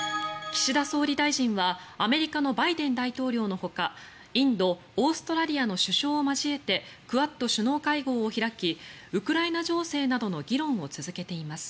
岸田総理大臣はアメリカのバイデン大統領のほかインド、オーストラリアの首相を交えてクアッド首脳会合を開きウクライナ情勢などの議論を続けています。